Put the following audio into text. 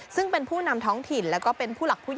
ซึ่งเป็นผู้นำท้องถิ่นแล้วก็เป็นผู้หลักผู้ใหญ่